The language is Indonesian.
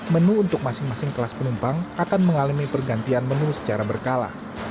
menu untuk masing masing kelas penumpang akan mengalami pergantian menu secara berkala